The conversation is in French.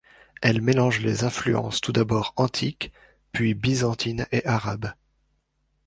Elle mélange les influences tout d'abord antiques, puis byzantines et arabes.